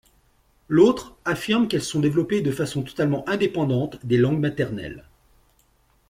L'autre affirme qu'elles se sont développées de façon totalement indépendante des langues maternelles.